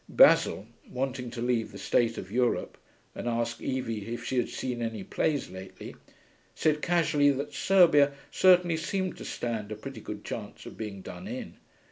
Basil, wanting to leave the state of Europe and ask Evie if she had seen any plays lately, said casually that Serbia certainly seemed to stand a pretty good chance of being done in.